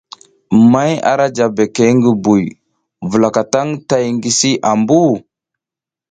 May ara ja beke ngi buy wulaka tang tay ngi si ambu.